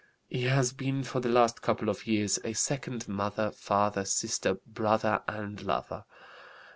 He has been for the last couple of years a second mother, father, sister, brother, and lover.